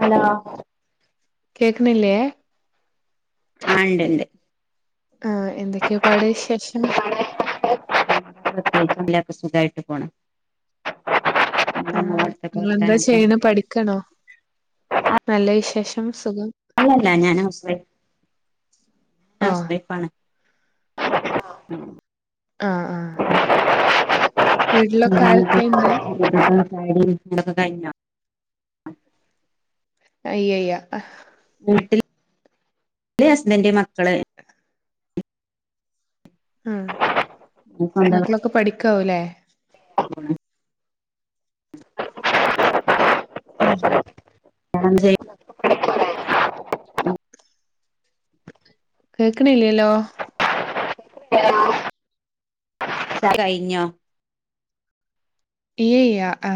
Hello കേക്കണില്ല? ആ ഉണ്ട്ണ്ട് ആഹ എന്തൊക്കെയോപാട് വിശേഷം? ഇവിടെ എല്ലാരും സുഖായിട്ട്പോണ് ആ നിങ്ങെന്താചെയ്യണ് പഠിക്കണോ നല്ലവിശേഷം അല്ലാല്ല ഞാൻഹൗസ് വൈഫ് ഞാൻഹൗസ് ആഹ് വൈഫാണ് [unintelligible] [unintelligible] ആഹ് ആഹ് വീട്ടിലൊക്കെ ആരൊക്കെയുണ്ട് ചായൊടിം ന്തൊക്കെകഴിഞ്ഞൊ? അയ്യയ്യ അഹ് വീട്ടിൽ ല് ഹസ്ബന്റ്മക്കള് ആ സ്വന്തം മക്കളൊക്കെപഠിക്കാവൂല്ലേ? [inaudible] ഉം [unintelligible] കേക്കിണില്ലാല്ലോ [unintelligible] സകഴിഞ്ഞോ ഇയയ്യ ആ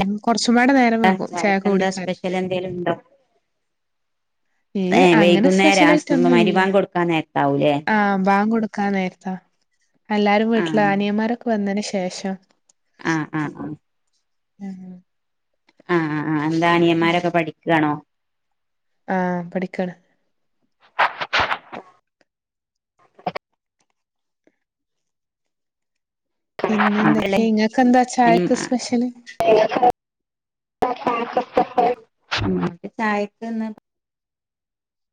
ഞങ്ങ്ക് കൊർച്ചുപാടെനേരംവെകും ചായക്ക് എന്താ ചായൊക്കെകുടിക്കാന് സ്പെഷ്യൽ എന്തേലും ഉണ്ടോ ഏ ഇല്ല്യാ അങ്ങനെ വൈകുന്നേരം സ്പെഷ്യലായിട്ടൊന്നുല്ല്യാ മഗ്‌രിബാങ്ക് കൊടുക്കാൻ നേരത്താവൂലേ ആ ബാങ്ക് കൊടു ക്കാന്നേരത്താ എല്ലാരും ആ വീട്ടില് അനിയന്മാരൊക്കെ വന്നതിന് ശേഷം ആ ആ ആ മ്ഹും ആ ആ ആ എന്താ അനിയന്മാരൊക്കെ പഠിക്കാണോ ആ പഠിക്കാണ് [unintelligible] [unintelligible] [unintelligible] പിന്നെ എന്തൊക്കെയാ ഇങ്ങക്കെന്താ ചായക്ക് സ്പെഷ്യല് ചായക്ക്ന്ന്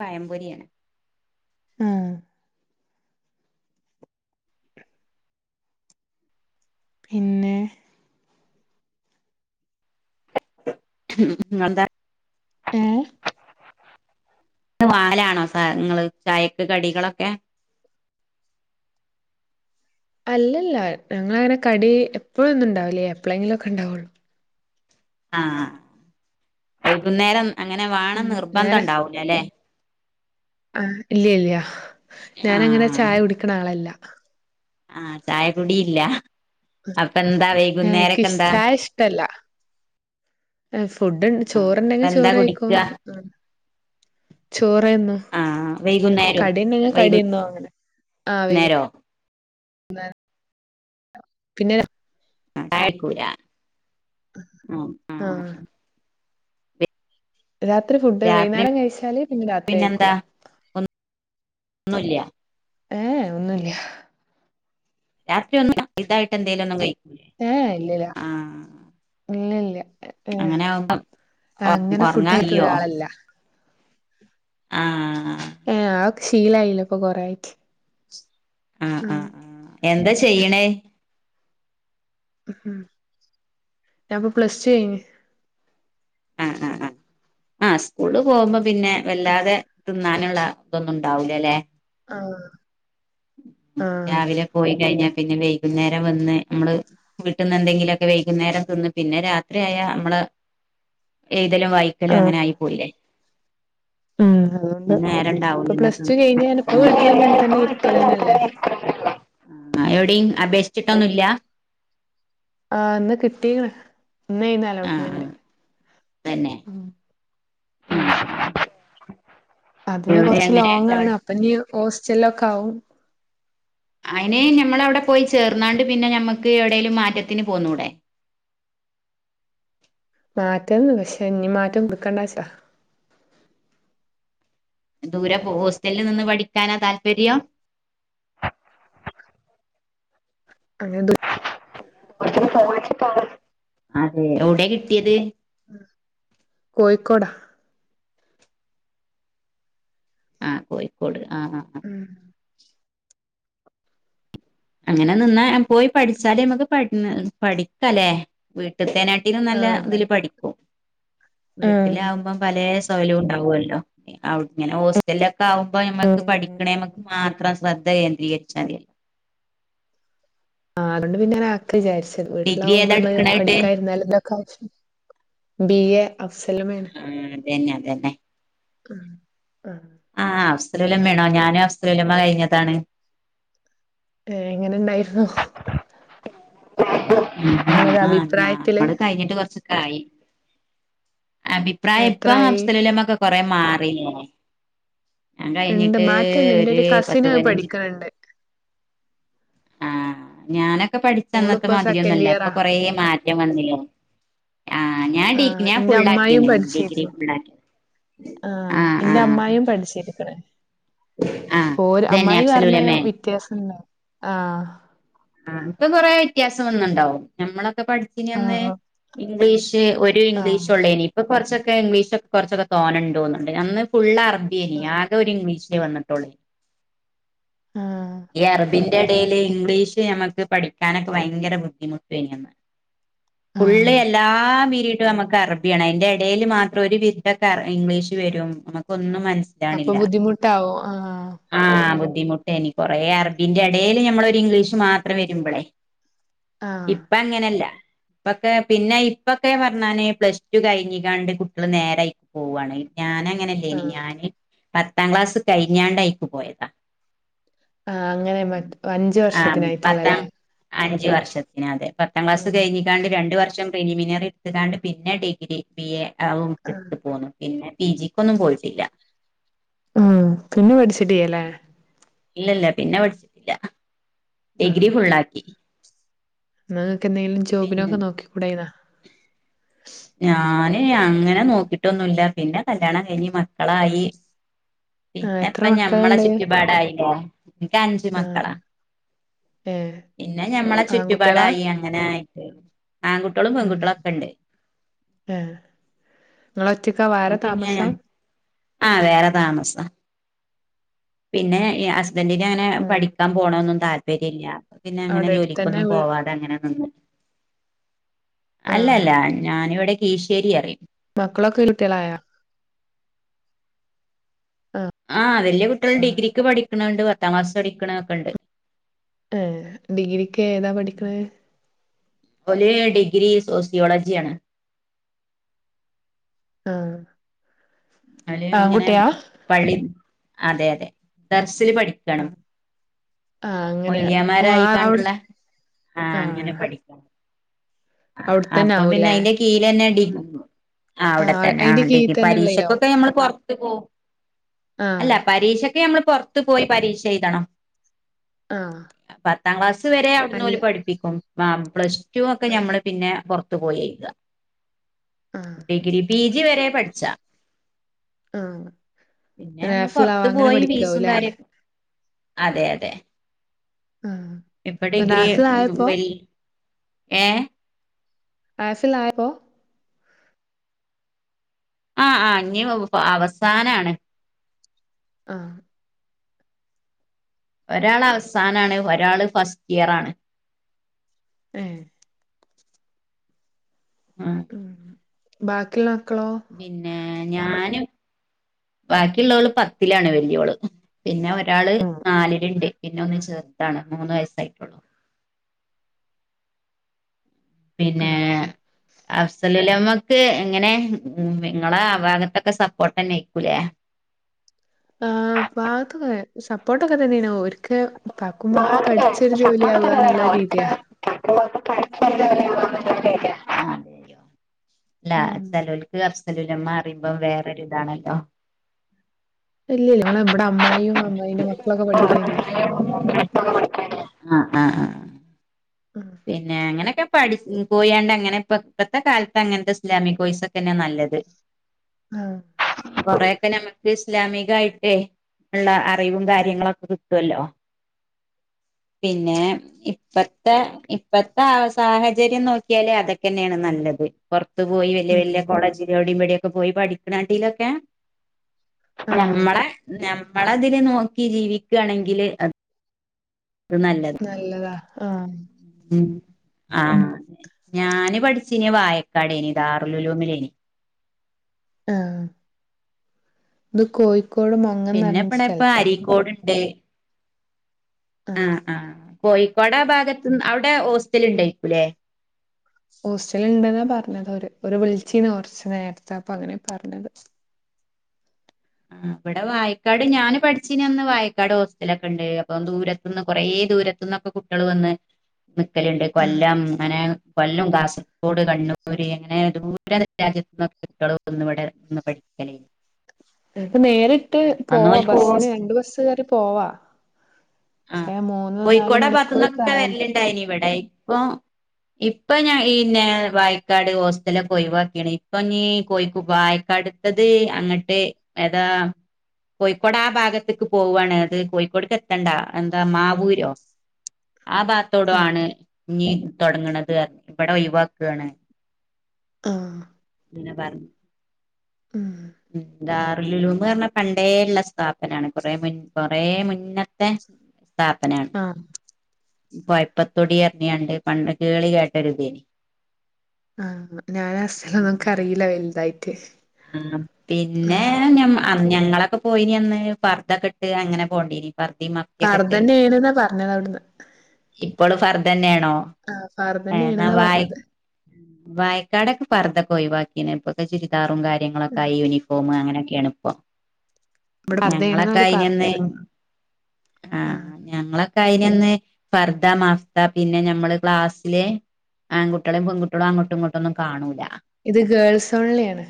പയംപൊരിയാണ് ആഹ് പിന്നെ ഉ പിന്നെന്താ ഏ വാങ്ങലാണോ സ ഇങ്ങള് ചായക്ക് കടികളൊക്കെ [unintelligible] അല്ലല്ല ഞങ്ങളങ്ങനെ കടീ എപ്പോഴൊന്നും ഇണ്ടാവലില്ല എപ്പളെങ്കിലുവൊക്കെ ഉണ്ടാവുള്ളൂ ആ വൈകുന്നേരം അങ്ങനെ വാണം ഉം നിർബന്ധം ഉണ്ടാവൂലല്ലെ ആ ഇല്ല ഇല്ലയ ഞാനങ്ങനെ ചായ കുടിക്കണ ആളല്ല ആഹ ചായ കുടീല്ല അപ്പ എന്താ ഏഹ് എനിക്ക് വൈകുന്നേരൊക്കെ ഇഷ്- എന്താ ചായ ഉം ഫുഡ് ണ് ആഹ് അപ്പൊ ചോറ്ണ്ടെങ്കിൽ എന്താ ചോറ് കുടിക്ക കയിക്കും ചൊ ചോറെയ്ന്നു ആഹ് വൈകുന്നേരും കടീണ്ടെങ്കിൽ കടീന്നും അങ്ങനെ ആ വൈകുന്നു വൈകുന്നേരോ [unintelligible] പിന്നെരാ ഉം അയക്കൂല മ് മ് മ് ആഹ് രാത്രി ഫുഡ് രാത്രി വൈന്നാരം കഴിച്ചാല് പിന്നെ രാത്രി കഴിക്കൂല ഒന്നുംല്യാ ഏ ഏ ഒന്നുല്യാ രാത്രി ഒന്നും ലൈറ്റായിട്ട് എന്തേലൊന്നും കഴിക്കൂലേ ഏഹ് ഇല്ലില്ല ആ ഇല്ലില്ല ഏഹ് അങ്ങനെ ആകുമ്പോ അങ്ങനെ ഫുഡ് ഒറങ്ങാ കഴിക്കുന്ന കയ്യോ ഒരാളല്ല ആ ഏ ആഒക്കെ ശീലായില്ലെ ഇപ്പൊ കൊറേ ആയിറ്റ് ആഹ് ഉം ആഹ് ആഹ് എന്താ ചെയ്യണേ ഉംഹും ഞാനിപ്പൊ പ്ലസ് റ്റു കഴിഞ്ഞു ആ ആ ആ ആ സ്കൂള് പോകുമ്പോ പിന്നെ വല്ലാതെ തിന്നാനുള്ള ഇതൊന്നും ഉണ്ടാവൂലല്ലേ ആഹ് ആഹ് രാവിലെ പോയി കഴിഞ്ഞാപ്പിന്നെ വൈകുന്നേരം വന്ന് ഞമ്മള് വീട്ടിന്നെന്തെങ്കിലുമൊക്കെ വൈകുന്നേരം തിന്ന് പിന്നെ രാത്രിയയാൽ നമ്മള് ഏയ് തിലും വൈതലും അങ്ങനെ ആഹ് ആയി പോയില്ലേ ഉം അതുകൊണ്ട് ഇനി ഇപ്പൊ നേരണ്ടാവൂലല്ലേ പ്ലസ് ടു തിന്നാൻ കഴിഞ്ഞ് ഞാനിപ്പ വീട്ടില് ഇങ്ങനെ തന്നെ ഇരിക്കലന്നെല്ലേ എവിടെയും അപേക്ഷിച്ചിട്ടൊന്നുംല്ല ആ ഇന്ന് കിട്ടീക്ക്‌ണ് ഇന്നേയിനും ആഹ് ആഹ് അലോട്ട്മെന്റ് തന്നെ ഉം ആ ഉം അതിന് എവിടെ കൊറച്ച് അങ്ങനെ ലോങ്ങാണ് അപ്പനി ഹോസ്റ്റലിലൊക്കെ ആവും അയിന് ഞമ്മള് അവിടെ പോയി ചേർന്നാണ്ട് പിന്നെ ഞമ്മക്ക് എവിടേലും മാറ്റത്തിന് പോന്നൂടെ മാറ്റണംന്ന്ണ്ട് പക്ഷെ ഇനി മാറ്റം കൊടുക്കണ്ടാച്ച ദൂര പോവോ ഹോസ്റ്റലിൽ നിന്ന് പഠിക്കാനാ താല്പര്യം അങ്ങനെന്തോല്ല്യ [unintelligible] അതെ എവടെ കിട്ടിയത് ആ കോഴിക്കോടാ ആ കോയിക്കോട് ഉം അങ്ങനെ നിന്നാ പോയി പഠിച്ചാല് ഞമ്മക്ക് പഠി ന്നാ പഠിക്കലേ വീ ത്ത്തേനാട്ടിലും നല്ല ആഹ് ഇതില് പഠി പഠിക്കും ആഹ് വീട്ടിലാവുമ്പം പലേ സൊകലും ഉണ്ടാവുല്ലോ ഔടെ ഇങ്ങനെ ഹോസ്റ്റല ക്കാവുമ്പോ ഞമ്മക്ക് ഉം പഠിക്കണേമക്ക് മാത്രം ശ്രദ്ധ കേന്ദ്രീകരിച്ചാ മതിയല്ല ആ അതോണ്ട് പിന്നെ നാക് വിചാരിച്ചത് ഡിഗ്രി ഏതാ വീട്ടിലാവുമ്പോള് മ്മള് എടുക്കണായിട്ട് പഠിക്കാൻഇരിന്നാല് എന്തൊക്കെശ്യം ബി എ അഫ്സലുമേണ് അതെന്നെ അതെന്നെ ഉം ആഹ ആ അവസ്സലുഉലമെണോ ഞാനും അവസ്സലുഉലമ കഴിഞ്ഞതാണ് ഏ എങ്ങനെണ്ടായിരുന്നു? [inaudible] ആ അഭിപ്രായത്തില് ഞമ്മള് കഴിഞ്ഞിട്ട് കൊറച്ചൊക്കെ ആയി അഭിപ്രായം ഇപ്പം എത്രായി അഫ്സലുഉലമക്കെ കൊറേ മാറിലേ ഇണ്ട് മാറ്റണ്ട് ഇന്റൊരു കസിന് അഹ് പതിനഞ്ച് പഠിക്കണണ്ട് [inaudible] ആഹ് ഞാനൊക്കെ പഠിച്ചന്നത്തെ ഓളിപ്പോ സെക്കൻഡ് മാതിരിയൊന്നുല്ല ഇപ്പൊ ഇയറാ കൊറേ മാറ്റം വന്നില്ലേ ആഹ് ഞാൻ ആ ഡി ഞാൻ എന്റെ അമ്മായിയും ഫുള്ളാകീന് ഡീഗ്രി പഠിച്ചിരുന്നു ഫുള്ളാകീന് ആ ഇന്റെ അമ്മായിയും പഠിച്ചിരിക്ക്ണ് ആഹ് പോര് ഇതന്നെ അമ്മായി പറഞ്ഞേ അഫ്സലുലമേ വ്യത്യാസണ്ടാവും ആഹ ആ അപ്പൊ കൊറെ വ്യത്യാസം വന്ന്ണ്ടാവും ഞമ്മള പ്പ ആ പഠിച്ചീനന്ന് ഇംഗ്ലീഷ് ഒരു ആ ഇംഗ്ലീഷെ ഒള്ളെനി ഇപ്പൊ കൊറച്ചൊക് ക്കെ ഇംഗ്ലീഷൊക് കൊറചൂടെ തോനെണ്ടോന്നുണ്ട് അന്ന് ഫുള്ള് അറബിയെനി ആ ആകെ ഒരു ഇംഗ്ലീഷ് യെ വന്നട്ടൊളി ആ ഈ അറബിന്റെ എടേല് ഇ- ഇംഗ്ലീഷ് ഞമ്മക്ക് പഠിക്കാനൊക്കെ ഭയങ്കര ബുദ്ധിമുട്ടെനി അന്ന് ആ പുള്ളി എല്ലാം വീരി [unintelligible] ഞമ്മക്ക് അറബിയാണ് അയിന്റെ എടേല്മാത്രം ഒരു ബിസ്നസ്‌ ഇംഗ്ലീഷ് വരും ഞമ്മക്കൊന്നും അപ്പൊ മനസ്സിലാവ്ണ്ല്ല്യ ബുദ്ധിമുട്ടാവും ആ ആ ബു ബുദ്ധിമുട്ടേനി കൊറേ അറബിന്റെ എടേല് ഞമ്മളൊരു ഇംഗ്ലീഷ് മാത്ര വരുമ്പളെ ആ ഇപ്പ അങ്ങനെല്ല ഇപ്പൊക്കെ പിന്നെ ഇപ്പൊക്കെ പറഞ്ഞാന് പ്ലസ് ടു കഴിഞ്ഞിഗാണ്ട് കുട്ട്യള് നേരെ അയ്ക്ക് പോവ്വാണ് ഞാന് ആ അങ്ങനെല്ലേനി ഞാന് പത്താം ക്ലാസ് കഴിഞ്ഞാണ്ടായിപ്പം പോയതാ ആ അങ്ങനെ മറ്റെ അഞ്ചു ആ വർഷത്തിനായിട്ടുള്ളല്ലേ പത്താം അഞ്ച് വർഷത്തിനാ അത് ആ പത്താംക്ലാസ് കഴിഞ്ഞികാണ്ട് രണ്ട് വർഷം ശം പ്രിലിമിനറി എടുത്തക്കാണ്ട് പിന്നെ ഡിഗ്രി ബി എ യും ആ എട്ത്ത് പോന്ന് പിന്നെ പി ജിക്കൊന്നും പോയിട്ടില്ല്യ ഉം പിന്നെ പഠിച്ചിട്ടീയലേ ഇല്ല ഇല്ല പിന്നെ പഠിച്ചിട്ടില്ല്യ ഡിഗ്രി ഫുള്ളാക്കി ഇന്ന ഇങ്ങക്ക് എന്തേലും പിന്നെ ജോബിനൊക്കെ നോക്കിക്കൂടായിനാ ഞാന് അങ്ങനെ നോക്കിട്ടൊന്നുല്ല്യ പിന്നെ കല്യാണം കഴിഞ്ഞ് മക്കളായി ആഹ് പിന്നെ എത്ര ഇപ്പം ഞമ്മളെ മക്കളുണ്ട്? ചുറ്റുപാടായിലേ എനിക്ക് അഞ്ചു ആഹ് മക്കളാ ഏഹ് പിന്നെ ഞമ്മളെ ആൺകുട്ടികളാ? ചുറ്റുപാടായി അങ്ങനായി ആൺകുട്ട്യളും പെൺകുട്ട്യളും ഒക്കെ ഇണ്ട് എ [unintelligible] ആഹ വേറെ താമസാ പിന്നെ [unintelligible] ഹസ്ബെന്റിന് അങ്ങനെ ആഹ് പഠിക്കാൻ പോണൊനൊന്നു താല്പര്യല്ല്യ പിന്നെ അങ്ങനെ അവിടെ അടുത്തന്നെ ജോലിക്കൊന്നും വീ പോവാതെ അങ്ങനെനിന്ന് ആഹ് അല്ലല്ല ഞാനിവിടെ കീശേരിന്നറിം മക്കളൊക്കെ വലുടിയാളായാ ആഹ വല്യ കുട്ട്യാൾ ആഹ് ഡിഗ്രിക്ക് പഠിക്കണണ്ട് പത്താം ക്ലാസ്സ് പഠിക്കണൊക്കെ ഉണ്ട് ആ ഏ ഡിഗ്രിക്ക് ഏതാ പഠിക്കണ ഒരു ഡിഗ്രി സോഷിയോളജിയ ആണ് ആഹ അ ഇങ്ങനെ പള്ളി അതെ അതെ ദർസ് നിന്ന് പഠിക്കാണ് ആഹ് അങ്ങനെ ഓഹ് ആഹ് അവിടെ മുല്യെയമാരായിക്കണ്ടുള്ള ആഹ അങ്ങനെ ആഹ് പഠിക്കാണ് അവിടെത്തന്നെ അപ്പൊ പിന്നെ ആവൂല്ലേ? അയിന്റെ കീയിലെന്നെ ഡിഗ് ആഹ് അവിടെത്തന്നെ ആ അയിന്റെ കീഴിൽ ഡിഗ്രി തന്നെ പരീക്ഷ പ്പോ ഉള്ളയിലാവും പുറത്ത് പോവും അല്ല ആഹ് പരീക്ഷക്ക് ഞമ്മൾ പൊറത്തു പോയി പരീക്ഷ എഴ്‌തണം ആഹ് പത്താം ക്ലാസ്സ് വരെ അവിടുന്ന് അല്ല പോലെ പഠിപ്പിക്കും പ്ലസ് ടു ഒക്കെ ആഹ് നമ്മള് പിന്നെ പോർത്ത് പോയി എഴുത ആഹ് ഡിഗ്രി, പി ജി വരെ പഠിച്ച ആഹ് പിന്നെ നമ്മള് നാഫിളാവാ പുറത്ത അങ്ങനെ പോയി ഫീസും പഠിക്കാവൂല്ലേ? കാര്യൊക്കെ അതെ അതെ ആഹ് ഇപ്പൊ ഡിഗ്രി നാഫിളായപ്പോ? വെല്യ ഏ ആഫിള് ആയപ്പോ ആഹ ആ ഇഞ്ഞി അവസാനാണ് ആഹ് ഒരാള് അവസാനാണ് ഒരാള് ഫസ്റ്റ് ഇയർ ആണ് ആഹ ആഹ് ബാക്കിയുള്ളോല് പിന്നെ ഞാനും ബാക്കിയുള്ളോള്ള് പത്തിലാണ് വല്യോള് പിന്നെ ഒരാള് നാലില്ണ്ട് പിന്നെ ഒന്രാള് ചേർതാണ് മൂന്ന് വയസ്സായിട്ടുള്ളൂ പിന്നെ ആഹ് ഏ അഫ്സലുല്ലമ്മക്ക് എങ്ങനെ നിങ്ങളെ അ ഭഗത്തൊക്കെ സപ്പോട്ടന്നെ ആയിക്കൂലേ ആ ഭാഗത്തൊക്ക സപ്പോട്ടൊക്കെ തന്നെയണ ഓര് ഒക്ക് പാക്കുംമ്മാക്കും പഠിച്ചൊരു ജോലിയ ആവുകന്നുള്ള രീതിയാ ഒരേ പട്തൊക്കെ അവിടെയ്ക്കരലെ ആഹ് അല്ല ഉം ചെലോൽക്ക് അഫ്സലൂൽമ്മ റിമ്പം വേറൊരിതാണല്ലോ ഇല്ലല്ല നിങ്ങ ഇവിടെ അമ്മായിം അമ്മായിന്റെ മക്കളൊക്കെ പഠിക്കണിതല്ലേ [unintelligible] ആ ആ ഉം പിന്നെ അങ്ങനെയെക്കെ പഠ പോയാണ്ട് അങ്ങനെ ഇപ്പ ഇപ്പഴത്തെ കാലത്ത് അങ്ങനത്തെ ഇസ്ലാമിക് കോയിസ്ക്കെയാണ് നല്ലത് ആ കുറെയൊക്കെ നമ്മക്ക് ഇസ്ലാമിക ആയിട്ടേ ഉള്ള അറിവും കാര്യങ്ങളൊക്കെ കിട്ടുവല്ലോ പിന്നെ ഇപ്പത്തെ ഇപ്പത്തെ ആ സാഹചര്യം നോക്കിയാലേ അതൊക്കെ തന്നെയാണ് നല്ലത് പെറ പുറത്ത് പോയി വല്യാ ഉം വലിയ കോളേജിലെ എവിടെ ഇവിടെ ഒക്കെ പോയി പഠിക്കണാണ്ടീലൊക്കെ ആഹ് നമ്മളെ നമ്മള് അതില് നോക്കി ജീവിക്കയാണെങ്കില് നല്ലതാ ആ ഉം ആ ഞാന് പഠിച്ചനി വായക്കാടേനി ഇ ദാറലുലൂമിലേനി ആ ഇത് കോയി പിന്നെ ഇപ്പടെ ഇപ്പൊ അരീക്കോട് ഇണ്ട് ആ ആഹ് ആ കോഴിക്കോടാ ഭാഗത്ത് അവിടെ ഹോസ്റ്റൽ ഉണ്ടേക്കൂല്ലേ. ഹോസ്റ്റൽ ഇണ്ടെന്നാ പറഞ്ഞത് അവർ അവർ വിളിച്ചീരുന്നു കെറച്ച് നേരത്തെ അപ്പോ അങ്ങനെ പറഞ്ഞത്. ആ, ഇവിടെ വാഴക്കാട് ഞാൻ പഠിച്ചിരുന്ന അന്ന് വാഴക്കാട് ഹോസ്റ്റലൊക്കെ ഉണ്ടായിരുന്നു. അപ്പൊ ദൂരത്തിന്ന് കൊറ ദൂരത്തു നിന്നൊക്കെ കുട്ടികൾ വന്ന് നിക്കലുണ്ട് ആഹ് കൊല്ലം അങ്ങനെ കൊല്ലം, കാസർഗോഡ്, കണ്ണൂര് അങ്ങനെ ദൂരം രാജ്യത്ത് കുട്ടികൾ വന്ന് ഇവിടെ നിന്ന് പഠിക്കലായിരുന്നു. നേരിട്ട് അന്ന് പോവാ ഓൽക്ക് ബസിന് ഹോസ് രണ്ട് ബസ്സ് കേറി പോവാ. ആ പക്ഷെ മൂന്ന് നാല് കോയിക്കോട് ആ ഭാഗത്ത് മണിക്കൂർ നിന്ന് ഒക്കെ ട്രാവൽ വരലുണ്ടായിനി ഇവിടെ ഇപ്പൊ, ഇപ്പൊ ഞാൻ ന്നെ വാഴക്കാട് ഹോസ്റ്റലൊക്കെ ഒഴിവാക്കീണ്, ഇപ്പം ഇനി കോഴിക്കു പായി അടുത്തത് അങ്ങട്ട് ഏതാ? കോഴിക്കോട് ആ ഭാഗത്തേക്ക് പോവാണ്, അത് കോഴിക്കോട്ക്ക് എത്തണ്ട. എന്താ മാവൂരോ, ആ ഭാഗത്തോടൊ ഉം ആണ് ഇനി തുടങ്ങണത് പറഞ്ഞ്, ഇവിടെ ഒഴിവാക്കുക്കയാണ്. ആഹ് പിന്നെ പറഞ്ഞു. ഉം ഉം ന്താ. ലുലുന്ന് പറഞ്ഞാൽ പണ്ടേള്ള സ്ഥാപനമാണ്, കൊറെ കൊറേ മുന്നെത്തെ സ്ഥാപനാണ്. ആഹ് കൊയപ്പത്തൊടി പറഞ്ഞാണ്ട് പണ്ടൊക്കെ കേളി കേട്ടരുതെനി, ആ ഞാൻ ആ സ്ഥലവൊന്നും എനിക്ക് അറീല വലുതായിട്ട്. ആ, പിന്നെ ആഹ് ഞ ഞങ്ങളൊക്കെ പോയിനി അന്ന് പർദ്ദക്കെട്ട് അങ്ങനെ പോണ്ടിനി. പർദ്ദന്നേണ്ന്നാ പറഞ്ഞത് അവിടെന്ന്. ഇപ്പള് പർദ്ദ തന്നെയാണോ, എന്നാ ഫർദന്നേണ്ന്നാ വായി പറഞ്ഞത്. വായിക്കാടൊക്കെ പർദ്ദക്കെ ഒഴിവാക്കീണ് ഇപ്പൊക്കെ ചുരിദാറും ഉം. കാര്യങ്ങളൊക്കെയായി യൂണിഫോം അങ്ങനെ. ക്കെയാണ് ഇപ്പം ഇവിടെ ഫർദേണ്ന്നാ ഞങ്ങളൊക്കെ അവര് അയിന്നേ പറഞ്ഞത്. ആ ആഹ് ഞങ്ങള് കയിനിന്ന് പർദ്ദ, മഫ്ത പിന്നെ മമ്മള് ക്ലാസ്സില് ആൺകുട്ടികളും പെൺകുട്ടികളും അങ്ങോട്ടും ഇങ്ങട്ടൊന്നും കാണൂല. ഇത് ഗേൾസ് ഓൺലി ആണ്.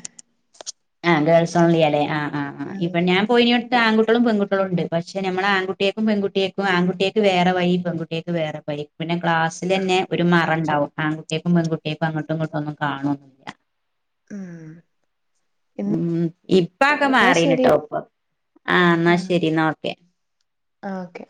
ആ ഗേൾസോൺലി ആടെ ആഹ് ആഹ് ഇപ്പോ ഞാൻ പോയിനിന്നിടത്ത് ആൺകുട്ട്യളും പെൺകുട്ട്യളും ഉണ്ട്. പക്ഷേ നമ്മള് ആൺകു കുട്ടേക്ക് പെൺകുട്ടേക്ക്, ആൺകുട്ടേക്ക് വേറെവഴി, പെൺകുട്ടേക്ക് വേറെ വഴി പിന്നെ ക്ലാസില് ആഹ് തന്നെ ഒരു മറ ഉണ്ടാവും. ആൺകുട്ടേക്കും പെൺകുട്ടേക്കും അങ്ങോട്ടും ഇങ്ങോട്ടും ഒന്നും കാണൂല. ഉം ഉം ഇപ്പൊ അതൊക്കെ എന്നാ ശരി മാറീന്ട്ടോ. ആ എന്നാ ആഹ് ശരി എന്നാ ഓക്കെ. ആഹ് ഓക്കെ.